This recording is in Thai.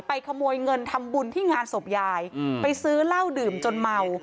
ขโมยเงินทำบุญที่งานศพยายไปซื้อเหล้าดื่มจนเมา